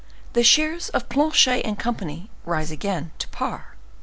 The Shares of Planchet and Company rise again to Par.